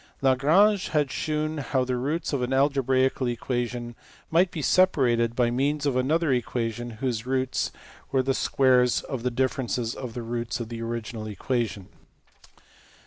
Lagrange had shewn how the roots of an algebraical equation might be separated by means of another equation whose roots were the squares of the differ ences of the roots of the original equation.